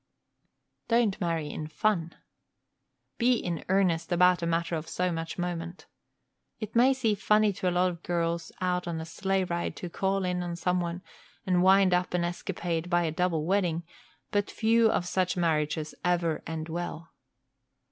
Don't marry in fun. Be in earnest about a matter of so much moment. It may seem funny to a lot of girls out on a sleigh ride to call in some one and wind up an escapade by a double wedding; but few of such marriages ever end well.